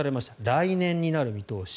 来年になる見通し。